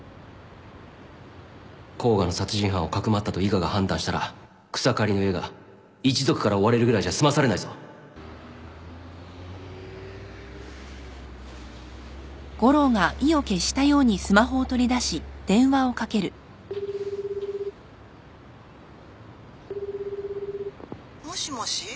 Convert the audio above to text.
甲賀の殺人犯をかくまったと伊賀が判断したら草刈の家が一族から追われるぐらいじゃ済まされないぞもしもし？